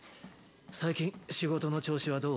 最近仕事の調子はどう？